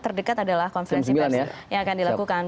terdekat adalah konferensi pers yang akan dilakukan